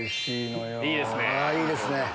いいですね。